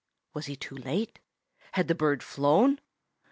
Was he too late? Had the bird flown?